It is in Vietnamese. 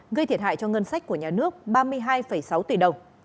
gây thiệt hại cho ngân sách của nhà nước ba mươi hai sáu tỷ đồng